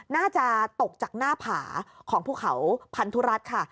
น่าจะตกจากหน้าผาของภูเขาพันธุรัตน์ค่ะ